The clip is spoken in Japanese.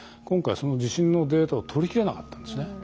今回その地震のデータを取りきれなかったんですね。